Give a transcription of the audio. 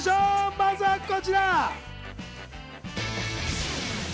まずはこちら。